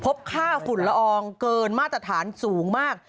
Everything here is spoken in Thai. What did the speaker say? ค่าฝุ่นละอองเกินมาตรฐานสูงมาก